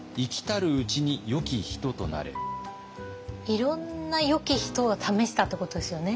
いろんな「よき人」を試したってことですよね。